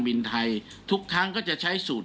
บินไทยทุกครั้งก็จะใช้สูตร